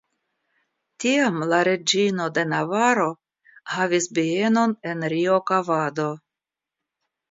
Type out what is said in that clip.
Tiam la reĝino de Navaro havis bienon en Riocavado.